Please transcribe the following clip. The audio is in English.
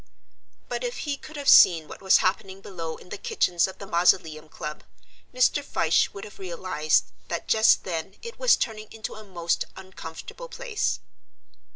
But if he could have seen what was happening below in the kitchens of the Mausoleum Club, Mr. Fyshe would have realized that just then it was turning into a most uncomfortable place.